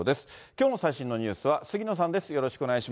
きょうの最新のニュースは杉野さんです。